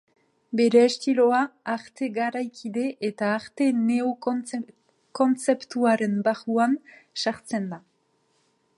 Bere estiloa Arte garaikide eta arte neo-kontzeptuaren barruan sartzen da.